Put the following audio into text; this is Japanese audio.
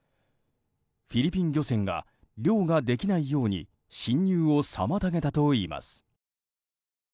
フィリピン漁船が漁ができないように進入を妨げたといいます。